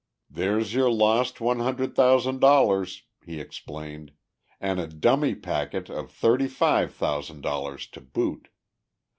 "There's your lost one hundred thousand dollars," he explained, "and a dummy packet of thirty five thousand dollars to boot.